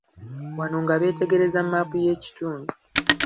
Wano nga beetegereza maapu y'ekitundu.